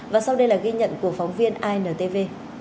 và sau đây là ghi nhận của phóng viên intv